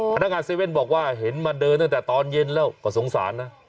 พนักงาน๗๑๑บอกว่าเห็นมาเดินตั้งแต่ตอนเย็นแล้วก็สงสารนะ